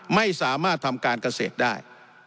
ไม่สามารถทำการเกษตรได้